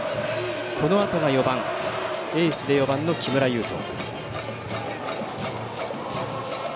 このあとがエースで４番の木村優人。